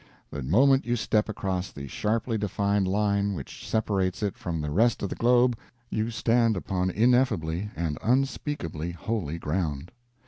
The moment you step across the sharply defined line which separates it from the rest of the globe, you stand upon ineffably and unspeakably holy ground.